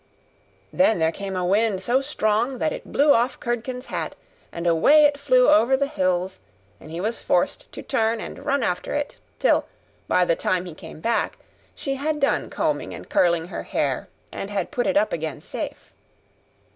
Then there came a wind, so strong that it blew off Curdken's hat; and away it flew over the hills: and he was forced to turn and run after it; till, by the time he came back, she had done combing and curling her hair, and had put it up again safe.